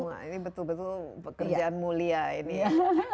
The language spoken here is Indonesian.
wah ini betul betul pekerjaan mulia ini ya